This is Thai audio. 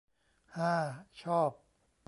ฮา ชอบ